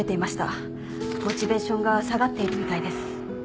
モチベーションが下がっているみたいです。